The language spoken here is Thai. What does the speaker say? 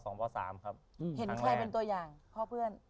เห็นใครเป็นตัวอย่างพ่อเพื่อน